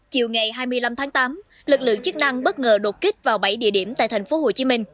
chiều ngày hai mươi năm tháng tám lực lượng chức năng bất ngờ đột kích vào bảy địa điểm tại thành phố hồ chí minh